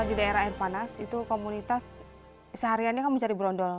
di daerah air panas itu komunitas sehariannya kan mencari brondol